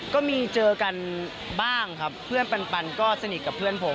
ก็มีเจอกันบ้างครับเพื่อนปันก็สนิทกับเพื่อนผม